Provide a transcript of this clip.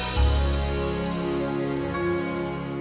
dia sudah pergi bersama istri